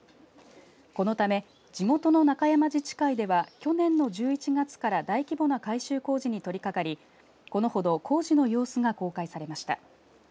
このため、地元の中山自治会では去年の１１月から大規模な改修工事に取り掛かりこのほど工事の様子が公開されました。